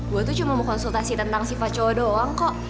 gue tuh cuma mau konsultasi tentang sifat cowok doang kok